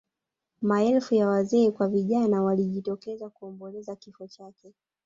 maelfu ya wazee kwa vijana walijitokeza kuomboleza kifo chake